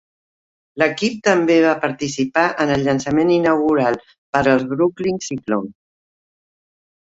L'equip també va participar en el llançament inaugural per als Brooklyn Cyclones.